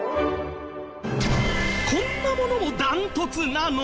こんなものもダントツなの？